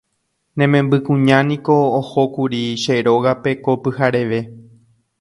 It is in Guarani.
Ne membykuñániko ohókuri che rógape ko pyhareve